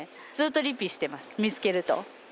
ずっとリピしてます見付けると。